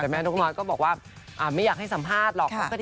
แต่แม่นกน้อยก็บอกว่าไม่อยากให้สัมภาษณ์หรอก